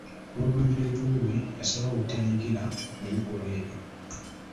Olw’obumanyirivu bwe, yasalawo obuteenyigira mu bikolwa ebyo.